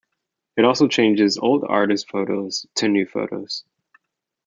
It also changes old artist photos to new photos.